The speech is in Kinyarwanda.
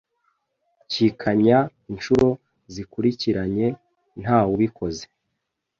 cyikanya inshuro zikurikiranye ntawubikoze